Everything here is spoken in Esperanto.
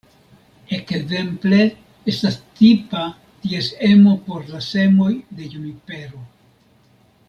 Ekzemple estas tipa ties emo por la semoj de junipero.